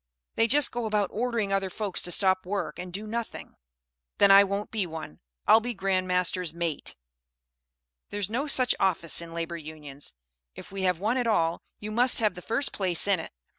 They just go about ordering other folks to stop work and do nothing." "Then I won't be one. I'll be Grand Master's Mate." "There's no such office in Labor Unions. If we have one at all, you must have the first place in it."